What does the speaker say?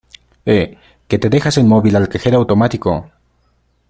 Eh, ¡que te dejas el móvil al cajero automático!